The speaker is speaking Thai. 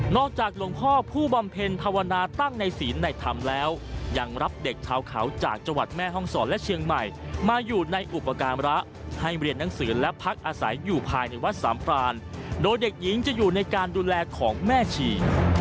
จากหลวงพ่อผู้บำเพ็ญภาวนาตั้งในศีลในธรรมแล้วยังรับเด็กชาวเขาจากจังหวัดแม่ห้องศรและเชียงใหม่มาอยู่ในอุปการณ์ให้เรียนหนังสือและพักอาศัยอยู่ภายในวัดสามพรานโดยเด็กหญิงจะอยู่ในการดูแลของแม่ชี